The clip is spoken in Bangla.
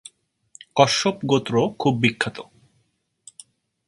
কশ্যপ গোত্র খুব বিখ্যাত।